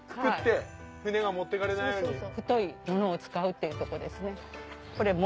そうそう太いものを使うというとこですね。